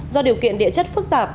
do điều kiện địa chất phức tạp